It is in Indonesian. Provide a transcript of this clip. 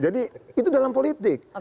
jadi itu dalam politik